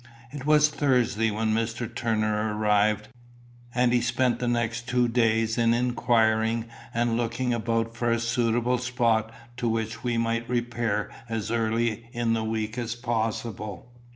It was Thursday when Mr. Turner arrived, and he spent the next two days in inquiring and looking about for a suitable spot to which we might repair as early in the week as possible.